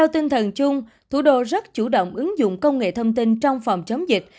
tinh thần chung thủ đô rất chủ động ứng dụng công nghệ thông tin trong phòng chống dịch